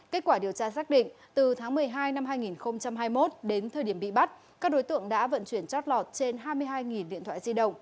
kết quả điều tra xác định từ tháng một mươi hai năm hai nghìn hai mươi một đến thời điểm bị bắt các đối tượng đã vận chuyển chót lọt trên hai mươi hai điện thoại di động